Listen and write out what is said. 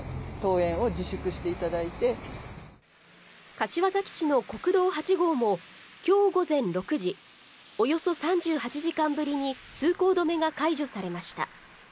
柏崎市の国道８号も今日午前６時、およそ３８時間ぶりに通行止めが解除されました。